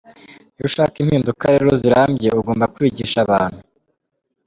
Iyo ushaka impinduka rero zirambye ugomba kwigisha abantu.